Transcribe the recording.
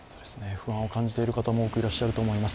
不安を感じている方も多くいらっしゃると思います。